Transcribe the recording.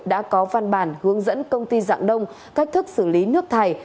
đã có văn bản hướng dẫn công ty dạng đông cách thức xử lý nước thải